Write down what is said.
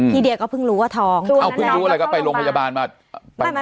พี่เดียก็เพิ่งรู้ว่าท้องเอ้าเพิ่งรู้อะไรก็ไปโรงพยาบาลมา